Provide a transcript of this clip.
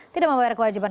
tidak memperoleh kewajiban